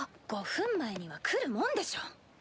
５分前には来るもんでしょ。